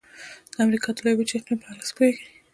د امریکا د لویې وچې د اقلیم په هلکه څه پوهیږئ؟